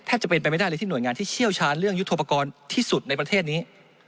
จะเป็นไปไม่ได้เลยที่หน่วยงานที่เชี่ยวชาญเรื่องยุทธโปรกรณ์ที่สุดในประเทศนี้